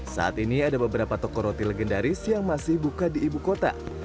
saat ini ada beberapa toko roti legendaris yang masih buka di ibu kota